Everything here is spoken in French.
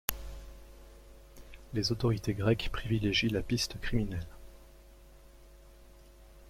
Les autorités grecques privilégient la piste criminelle.